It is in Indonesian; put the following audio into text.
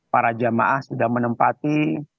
para jamaah sudah menempati